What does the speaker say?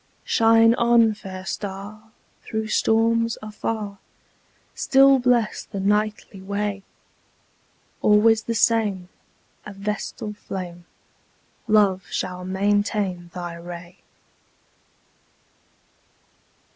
Shine on, fair star, through storms, afar! Still bless the nightly way! Always the same, a vestal flame, Love shall maintain thy ray.